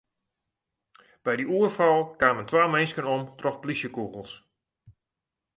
By dy oerfal kamen twa minsken om troch plysjekûgels.